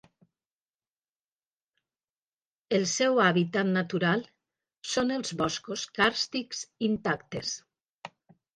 El seu hàbitat natural són els boscos càrstics intactes.